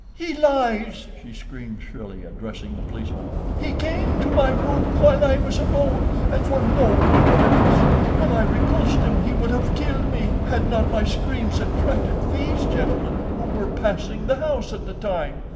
"He lies!" she screamed shrilly, addressing the policeman. "He came to my room while I was alone, and for no good purpose. When I repulsed him he would have killed me had not my screams attracted these gentlemen, who were passing the house at the time.